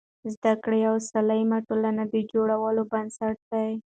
زده کړه د یوې سالمې ټولنې د جوړولو بنسټ دی.